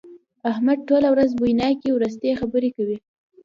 احمد ټوله ورځ بويناکې ورستې خبرې کوي.